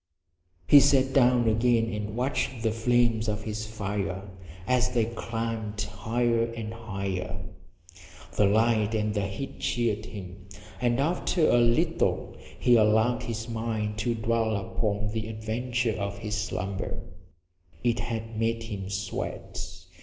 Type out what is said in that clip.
He sat down again and watched the flames of his fire as they climbed higher and higher. The light and the heat cheered him, and after a little he allowed his mind to dwell upon the adventure of his slumber. It had made him sweat.